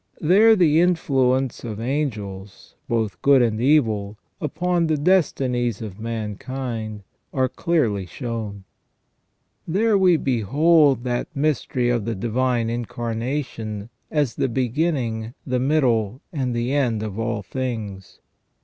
There the influence of the angels, both good and evil, upon the destinies of mankind are clearly shown. There we behold that mystery of the Divine Incarnation as the begin ning, the middle, and the end of all things.